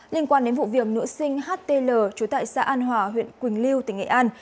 liên quan đến vụ việc nữ sinh htl trú tại xã an hòa huyện quỳnh lưu tỉnh nghệ an